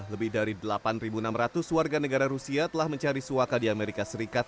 lebih dari delapan enam ratus warga negara rusia telah mencari suaka di amerika serikat